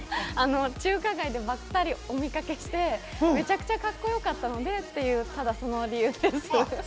中華街でばったりお見かけして、めちゃくちゃカッコよかったのでっていう、ただその理由です。